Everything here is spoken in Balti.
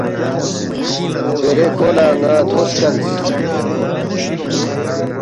“دیرے کھو لہ نا تھو سکلس